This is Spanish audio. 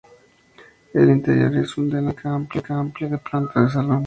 El interior es de nave única amplia, de planta de salón.